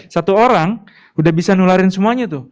satu orang udah bisa nularin semuanya tuh